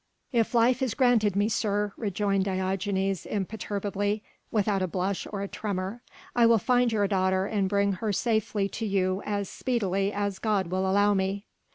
"If life is granted me, sir," rejoined Diogenes imperturbably, without a blush or a tremor, "I will find your daughter and bring her safely to you as speedily as God will allow me."